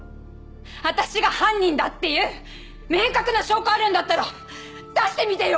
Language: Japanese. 私が犯人だっていう明確な証拠あるんだったら出してみてよ！